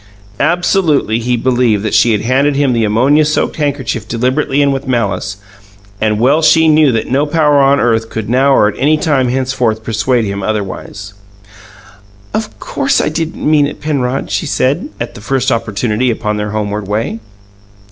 Absolutely, he believed that she had handed him the ammonia soaked handkerchief deliberately and with malice, and well she knew that no power on earth could now or at any time henceforth persuade him otherwise. "Of course I didn't mean it, Penrod," she said, at the first opportunity upon their homeward way.